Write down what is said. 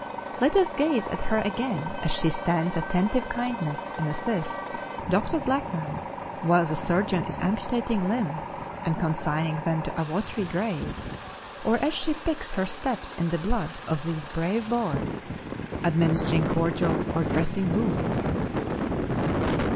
Let us gaze at her again as she stands attentive kindness and assists Dr. Blackman while the surgeon is amputating limbs and consigning them to a watery grave, or as she picks her steps in the blood of these brave boys, administering cordial or dressing wounds."